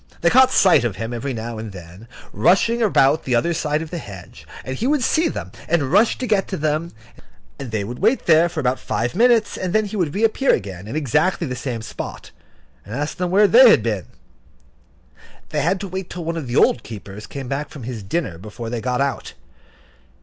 They caught sight of him, every now and then, rushing about the other side of the hedge, and he would see them, and rush to get to them, and they would wait there for about five minutes, and then he would reappear again in exactly the same spot, and ask them where they had been. They had to wait till one of the old keepers came back from his dinner before they got out.